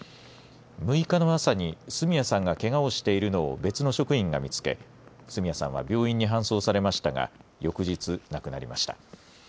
６日の朝に角谷さんがけがをしているのを別の職員が見つけ、角谷さんは病院に搬送されましたが、翌日、亡くなりました。